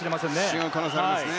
違う可能性がありますね。